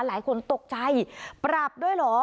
หลายคนตกใจปรับด้วยเหรอ